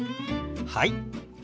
はい。